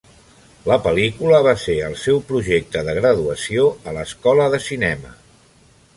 La pel·lícula va ser el seu projecte de graduació a l'escola de cinema.